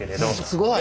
すごい！